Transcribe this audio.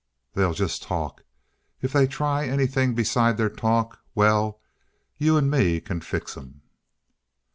They'll just talk. If they try anything besides their talk well, you and me can fix 'em!"